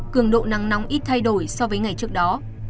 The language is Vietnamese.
cường độ nắng nóng ít thay đổi so với ngày trước đó